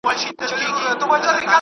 که سرک پاخه وي نو ګرد نه پورته کیږي.